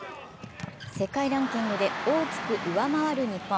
世界ランキングで大きく上回る日本。